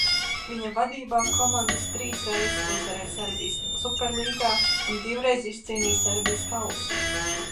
Viņa vadībā komanda trīs reizes uzvarēja Serbijas Superlīgā un divreiz izcīnīja Serbijas kausu.